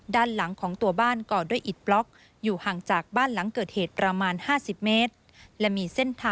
บ้านลุงของเด็กหญิงผู้เสียชีวิต